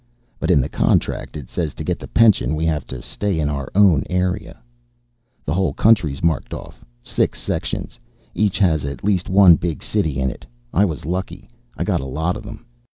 But in the contract, it says to get the pension we have to stay in our own area. "The whole country's marked off. Six sections. Each has at least one big city in it. I was lucky, I got a lot of them.